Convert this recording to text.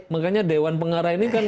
makanya dewan pengarah ini kan